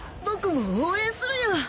僕も応援するよ。